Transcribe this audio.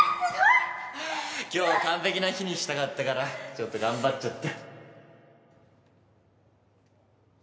今日を完璧な日にしたかったからちょっと頑張っちゃった